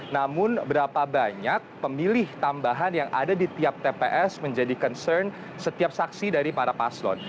namun berapa banyak pemilih tambahan yang ada di tiap tps menjadi concern setiap saksi dari para paslon